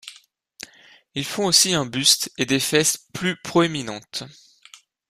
Ils font aussi un buste et des fesses plus proéminentes.